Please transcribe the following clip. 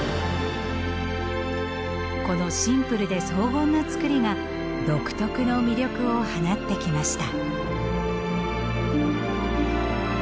このシンプルで荘厳なつくりが独特の魅力を放ってきました。